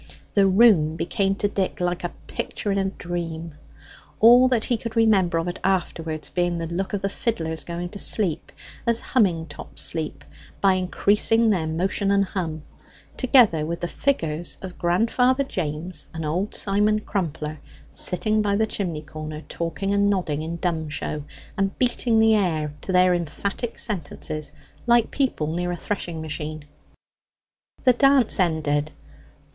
The room became to Dick like a picture in a dream; all that he could remember of it afterwards being the look of the fiddlers going to sleep, as humming tops sleep, by increasing their motion and hum, together with the figures of grandfather James and old Simon Crumpler sitting by the chimney corner, talking and nodding in dumb show, and beating the air to their emphatic sentences like people near a threshing machine. The dance ended.